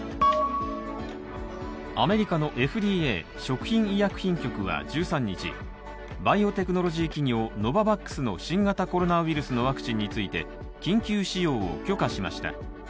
アメリカのＦＤＡ＝食品医薬品局は１３日、バイオテクノロジー企業ノババックスの新型コロナウイルスのワクチンについて緊急使用を許可しました。